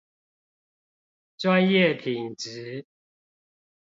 專業品質